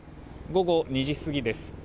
午後２時過ぎです。